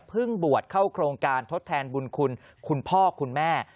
บวชเข้าโครงการทดแทนบุญคุณคุณพ่อคุณแม่